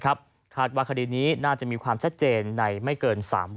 คาดว่าคดีนี้น่าจะมีความชัดเจนในไม่เกิน๓วัน